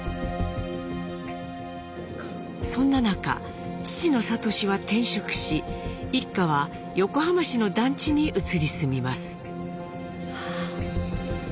そんな中父の智は転職し一家は横浜市の団地に移り住みます。